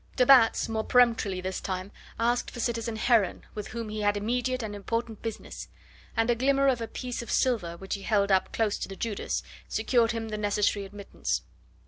De Batz, more peremptorily this time, asked for citizen Heron, with whom he had immediate and important business, and a glimmer of a piece of silver which he held up close to the judas secured him the necessary admittance.